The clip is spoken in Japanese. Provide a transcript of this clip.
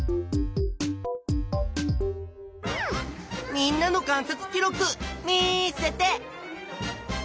みんなの観察記録見せて！